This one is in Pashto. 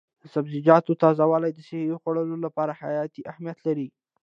د سبزیجاتو تازه والي د صحي خوړو لپاره حیاتي اهمیت لري.